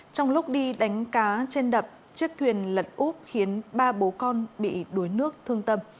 trong lúc đi đánh cá trên đập chiếc thuyền lật úp khiến ba bố con bị đuối nước thương tâm